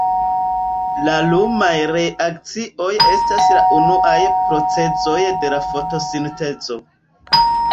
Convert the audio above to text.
La lumaj reakcioj estas la unuaj procezoj de la fotosintezo.